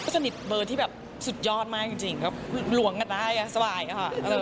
สนิทเบอร์ที่แบบสุดยอดมากจริงก็คือหลวงกันได้สบายค่ะ